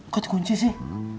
kok dikunci sih